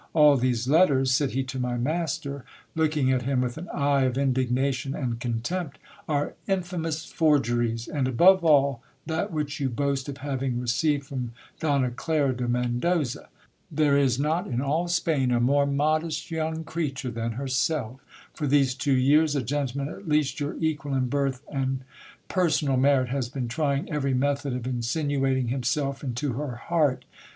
All these letters, said he to my master, lot king at him with an eye of indignation and contempt, are infamous forgeries, ami above all that which you boast of having received from Donna Clara de Mcndoza. There is not in all Spain a more modest young creature than her sel:. For these two years, a gentleman, at least your equal in birth and per sor.al merit, has been trying every method of insinuating himself into her heart.